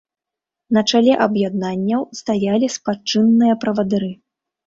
На чале аб'яднанняў стаялі спадчынныя правадыры.